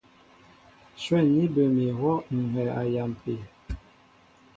Shwɛ̂n ní bə mi ihwɔ́ ŋ̀ hɛɛ a yampi.